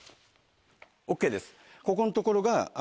ＯＫです。